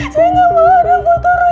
saya gak mau ada foto roy